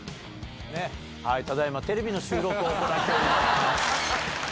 ただいまテレビの収録を行っております。